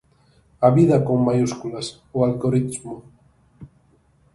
A vida con maiúsculas, o algoritmo.